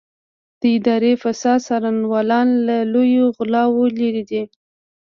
د اداري فساد څارنوالان له لویو غلاوو لېرې دي.